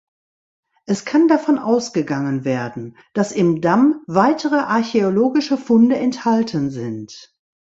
Es kann davon ausgegangen werden, dass im Damm weitere archäologische Funde enthalten sind.